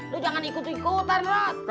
lo jangan ikut ikutan